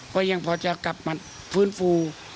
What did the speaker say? เพราะว่าพอจะกลับมาก่อนฟื้นฟู